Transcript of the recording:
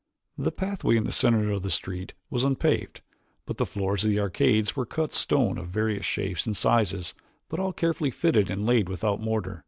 The pathway in the center of the street was unpaved, but the floors of the arcades were cut stone of various shapes and sizes but all carefully fitted and laid without mortar.